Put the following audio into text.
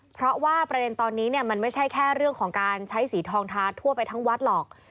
เพราะว่าประเด็นตอนนี้เนี่ยมันไม่ใช่แค่เรื่องของการใช้สีทองทาทั่วไปทั้งวัดหรอก